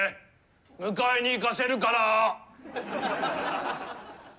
迎えに行かせるから。